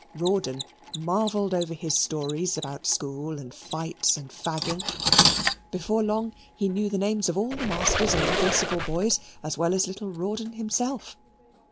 Rawdon marvelled over his stories about school, and fights, and fagging. Before long, he knew the names of all the masters and the principal boys as well as little Rawdon himself.